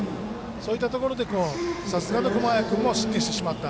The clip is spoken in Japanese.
そういったところでさすがの熊谷君も失点してしまった。